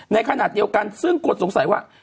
ในขณะเดียวกันซึ่งคนสงสัยว่า